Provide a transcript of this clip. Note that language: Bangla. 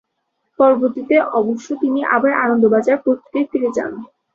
পরবর্তীতে অবশ্য তিনি আবার 'আনন্দবাজার পত্রিকা'য় ফিরে যান।